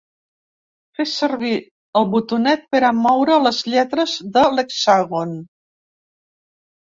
Fer sevir el botonet per a moure les lletres de l’hexàgon.